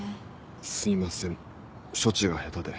すいません処置が下手で。